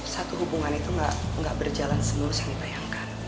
satu hubungan itu gak berjalan sepenuhnya yang dipayangkan